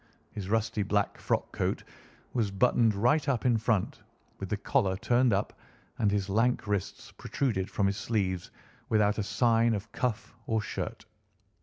His rusty black frock coat was buttoned right up in front, with the collar turned up, and his lank wrists protruded from his sleeves without a sign of cuff or shirt.